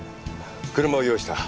車を用意した。